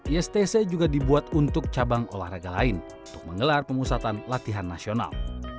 istc juga dibuat untuk cabang olahraga lain untuk menggelar pemusatan latihan nasional